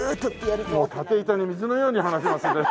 立て板に水のように話しますね。